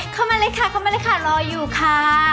เข้ามาเลยค่ะเข้ามาเลยค่ะรออยู่ค่ะ